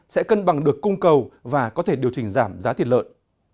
sẽ cân bằng được cung cầu và có thể điều chỉnh giảm giá thịt lợn